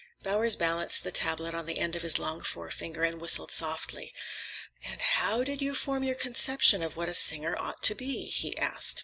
Bowers balanced the tablet on the end of his long forefinger and whistled softly. "And how did you form your conception of what a singer ought to be?" he asked.